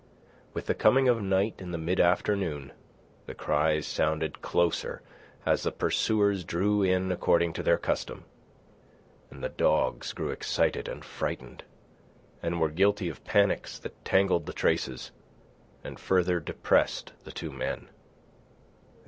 With the coming of night in the mid afternoon, the cries sounded closer as the pursuers drew in according to their custom; and the dogs grew excited and frightened, and were guilty of panics that tangled the traces and further depressed the two men.